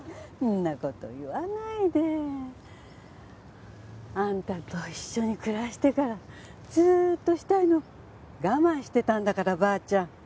そんな事言わないで。あんたと一緒に暮らしてからずーっとしたいの我慢してたんだからばあちゃん。